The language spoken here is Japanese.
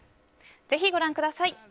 ぜひ、ご覧ください。